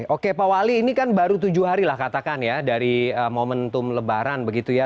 oke pak wali ini kan baru tujuh hari lah katakan ya dari momentum lebaran begitu ya